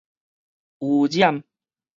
汙染